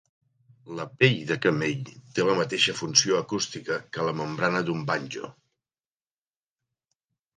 La pell de camell té la mateixa funció acústica que la membrana d'un banjo.